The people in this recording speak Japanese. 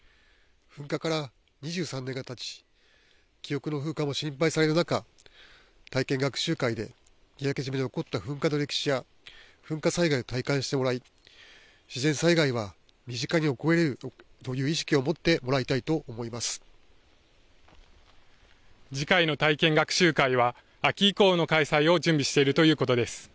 噴火から２３年がたち、記憶の風化も心配される中、体験学習会で三宅島で起こった噴火の歴史や、噴火災害を体感してもらい、自然災害は身近に起こりうるという意識を持ってもらいたいと思い次回の体験学習会は、秋以降の開催を準備しているということです。